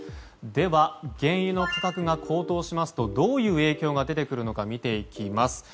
では、原油の価格が高騰しますとどういう影響が出てくるのか、見ていきます。